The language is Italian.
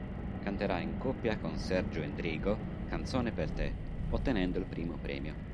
Canterà in coppia con Sergio Endrigo "Canzone per te", ottenendo il primo premio.